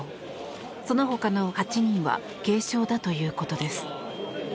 そのほかの８人は軽傷だということです。